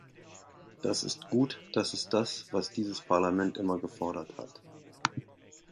Das ist gut, das ist das, was dieses Parlament immer gefordert hat.